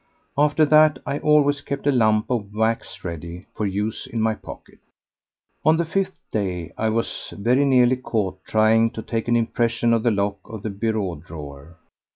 After that I always kept a lump of wax ready for use in my pocket. On the fifth day I was very nearly caught trying to take an impression of the lock of the bureau drawer.